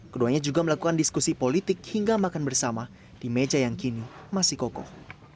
keduanya juga melakukan diskusi politik hingga makan bersama di meja yang kini masih kokoh